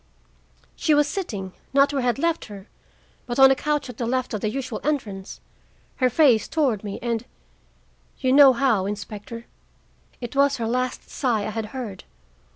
She was sitting, not where I had left her, but on a couch at the left of the usual entrance, her face toward me, and—you know how, Inspector. It was her last sigh I had heard.